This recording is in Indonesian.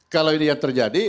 kalau ini yang terjadi